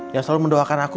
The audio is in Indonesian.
yang selalu mendoakan aku